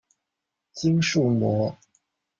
肌束膜。